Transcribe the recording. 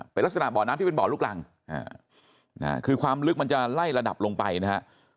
เป็นลักษณะบ่อน้ำที่เป็นบ่อลูกรังคือความลึกมันจะไล่ระดับลงไปนะฮะ